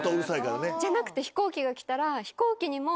じゃなくて飛行機が来たら飛行機にも。